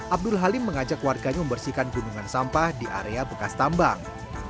abdul halim mengajak warganya membersihkan gunungan sampah di area bekas tambang